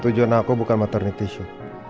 tujuan aku bukan maternity shot